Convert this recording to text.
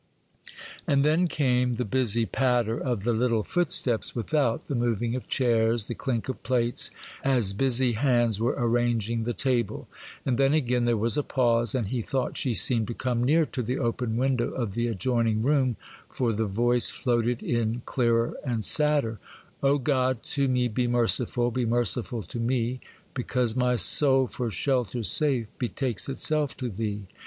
And then came the busy patter of the little footsteps without, the moving of chairs, the clink of plates, as busy hands were arranging the table; and then again there was a pause, and he thought she seemed to come near to the open window of the adjoining room, for the voice floated in clearer and sadder:— 'O God, to me be merciful, Be merciful to me! Because my soul for shelter safe, Betakes itself to thee.